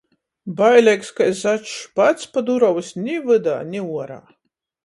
Baileigs kai začs! Pats pa durovys ni vydā, ni uorā!